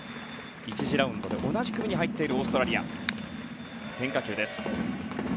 １次ラウンドで、同じ組に入っているオーストラリア。